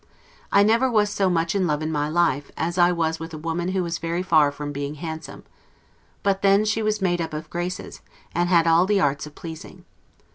I never was so much in love in my life, as I was with a woman who was very far from being handsome; but then she was made up of graces, and had all the arts of pleasing.